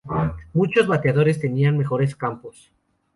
Muchos bateadores tenían mejores campos.